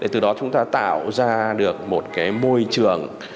từ đó chúng ta tạo ra được một cái môi trường